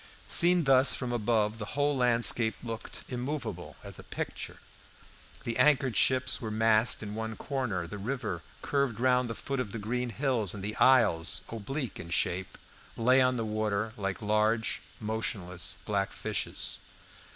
Seen thus from above, the whole landscape looked immovable as a picture; the anchored ships were massed in one corner, the river curved round the foot of the green hills, and the isles, oblique in shape, lay on the water, like large, motionless, black fishes.